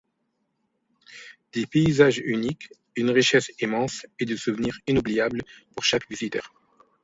Des paysages uniques, une richesse immense, et des souvenirs inoubliables pour chaque visiteur.